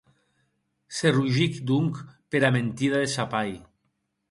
Se rogic, donc, pera mentida de sa pair.